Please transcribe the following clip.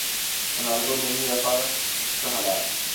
انارګل د مېنې لپاره پسه حلال کړ.